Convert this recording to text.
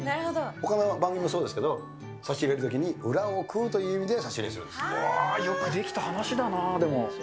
ほかの番組もそうですけど、差し入れのときに、裏を食うといよくできた話だな、でも。